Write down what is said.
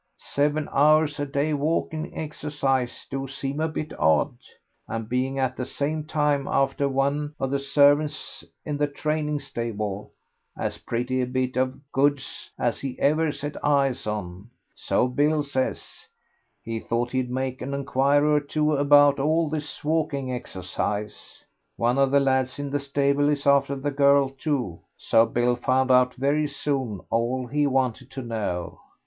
Seven hours a day walking exercise do seem a bit odd, and being at the same time after one of the servants in the training stable as pretty a bit of goods as he ever set eyes on, so Bill says he thought he'd make an inquiry or two about all this walking exercise. One of the lads in the stable is after the girl, too, so Bill found out very soon all he wanted to know.